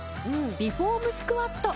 美フォームスクワット。